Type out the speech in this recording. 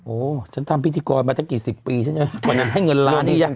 โอ้ฉันทำพิธีกรมาตั้งกี่สิบปีฉันก่อนนั้นให้เงินล้านอีกอย่าง